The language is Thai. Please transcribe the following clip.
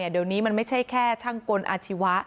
เดี๋ยวนี้มันไม่ใช่แค่ช่างกลอาชีวะ